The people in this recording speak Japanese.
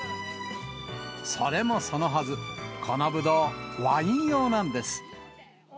それもそのはず、このブドウ、ワイン用なんです。